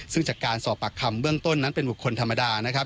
ซึ่งจากการสอบปากคำเบื้องต้นนั้นเป็นบุคคลธรรมดานะครับ